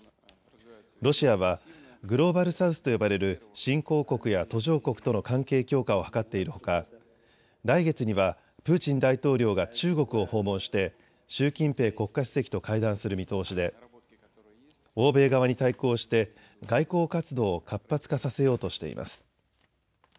ロシアはグローバル・サウスと呼ばれる新興国や途上国との関係強化を図っているほか来月にはプーチン大統領が中国を訪問して習近平国家主席と会談する見通しで欧米側に対抗して外交活動を活発化させようとしています。